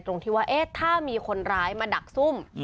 ตรงที่ว่าถ้ามีคนร้ายมาดักซุ่ม